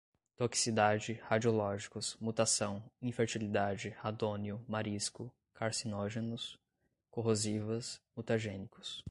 toxicidade, radiológicos, mutação, infertilidade, radônio, marisco, carcinógenos, corrosivas, mutagênicos